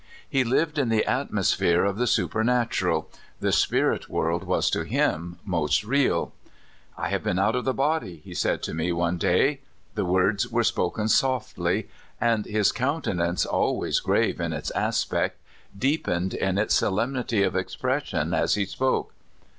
He lived in the atmos phere of the supernatural; the spirit world was to him most real. "I have been out of the body," he said to me one day. The words were spoken softly, and his countenance, always grave in its aspect, deepened in its solemnity of expression as he spoke.